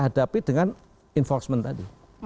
hadapi dengan enforcement tadi